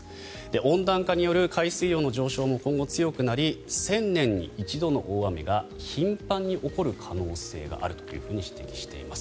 温暖化による海水温の上昇も今後強くなり１０００年に一度の大雨が頻繁に起こる可能性があると指摘しています。